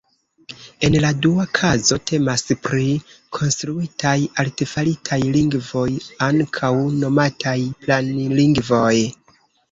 En la dua kazo temas pri konstruitaj, artefaritaj lingvoj, ankaŭ nomataj "planlingvoj".